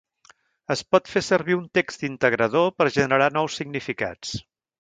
Es pot fer servir un text integrador per generar nous significats.